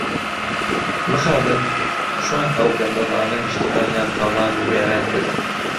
مخابن چۆن ئەو گەندەڵانە نیشتمانیان تاڵان و وێران کرد.